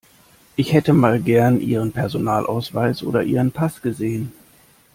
Ich hätte mal gern Ihren Personalausweis oder Ihren Pass gesehen.